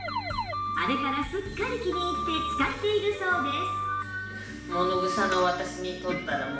あれからすっかり気に入って使っているそうです